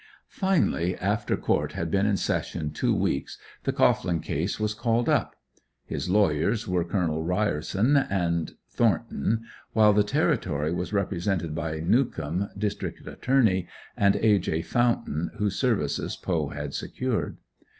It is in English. Finally, after court had been in session two weeks the Cohglin case was called up. His lawyers were Col. Rynerson and Thornton, while the Territory was represented by Newcomb, District Attorney, and A. J. Fountain whose services Poe had secured.